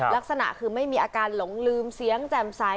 ลักษณะคือไม่มีอาการหลงลืมเสียงแจ่มใส